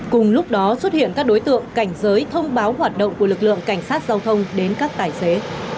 cùng lúc đó xuất hiện các đối tượng cảnh giới thông báo hoạt động của lực lượng cảnh sát giao thông đến các tài xế